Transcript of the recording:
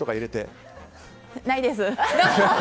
ないです。